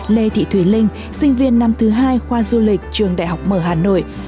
lê thị thùy linh sinh viên năm thứ hai khoa du lịch trường đại học mở hà nội